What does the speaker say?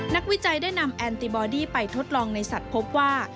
นักวิจัยได้นำแอนติบอดี้ไปทดลองในสัตว์พบว่า